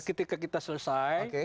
ketika kita selesai